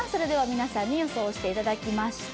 皆さんに予想していただきました。